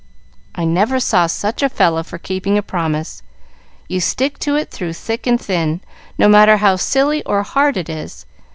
"I never saw such a fellow for keeping a promise! You stick to it through thick and thin, no matter how silly or hard it is.